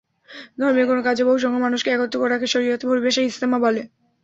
ধর্মীয় কোনো কাজে বহুসংখ্যক মানুষকে একত্র করাকে শরিয়তের পরিভাষায় ইজতেমা বলে।